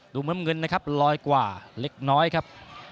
น้ำเงินนะครับลอยกว่าเล็กน้อยครับ